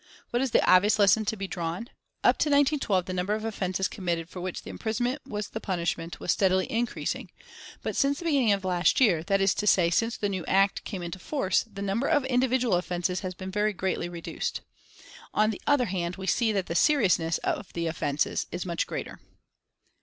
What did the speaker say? What is the obvious lesson to be drawn? Up to 1912 the number of offences committed for which imprisonment was the punishment was steadily increasing, but since the beginning of last year that is to say, since the new Act came into force the number of individual offences has been very greatly reduced. On the other hand, we see that the seriousness of the offences is much greater."